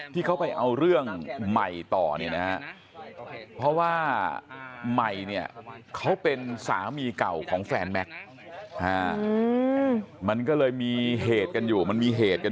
แถวงำวงวานเนี่ยนี่